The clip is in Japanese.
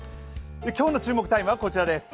今日の注目タイムはこちらです